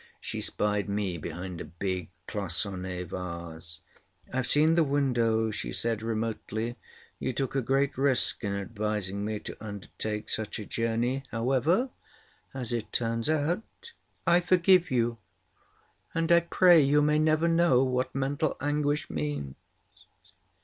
She spied me behind a big Cloisonnée vase. "I've seen the window," she said remotely. "You took a great risk in advising me to undertake such a journey. However, as it turns out... I forgive you, and I pray you may never know what mental anguish means!